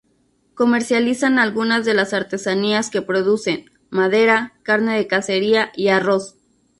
Comercializan algunas de las artesanías que producen, madera, carne de cacería y arroz.